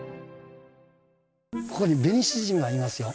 ここにベニシジミがいますよ。